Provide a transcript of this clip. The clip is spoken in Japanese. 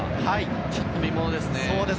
ちょっと見ものですね。